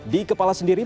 di kepala sendiri